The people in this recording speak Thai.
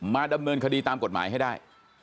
มาดำเนินคดีตามกฎหมายให้ได้